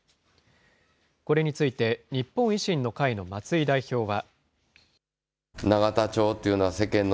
これについて日本維新の会の松井代表は。